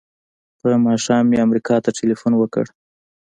په ماښام مې امریکا ته ټیلفون وکړ.